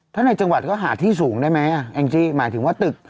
ถ้าในจังหวัดก็หาที่สูงได้ไหมอ่ะแองจี้หมายถึงว่าตึก